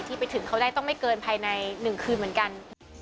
ไปถึงเขาได้ต้องไม่เกินภายใน๑คืนเหมือนกัน